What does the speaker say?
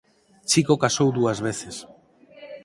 Chico casou dúas veces.